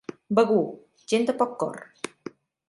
Begur, gent de poc cor.